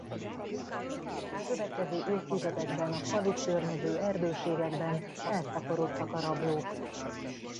A következő évtizedekben a falut környező erdőségekben elszaporodtak a rablók.